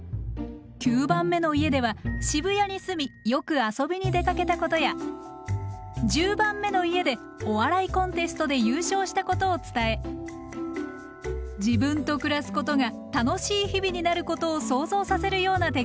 ９番目の家では渋谷に住みよく遊びに出かけたことや１０番目の家でお笑いコンテストで優勝したことを伝え自分と暮らすことが楽しい日々になることを想像させるような手紙を書いています。